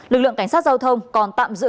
lực lượng cảnh sát giao thông còn tạm giữ